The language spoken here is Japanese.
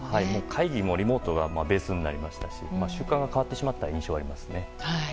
会議もリモートがベースになりますし習慣が変わってしまった感じがしますね。